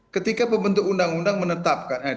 ketika pembentuk undang undang menetapkan